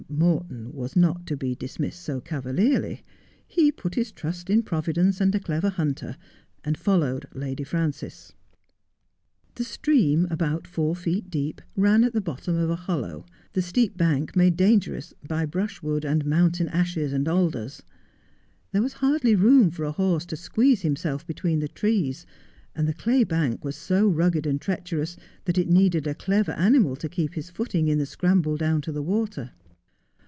Morton was not to be dismissed so cavalierly. He put his trust in Pro videnceanda clever hunter, andfollowed Lady Frances. The stream, about four feet deep, ran at the bottom of a hollow, the steep bank made dangerous by brushwood and mountain ashes and alders. There was hardly room for a horse to squeeze himself between the trees, and the clay bank was so rugged and treacherous that it needed a clever animal to keep his footing in the scramble down to the water.